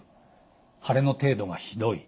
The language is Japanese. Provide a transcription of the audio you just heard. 腫れの程度がひどい。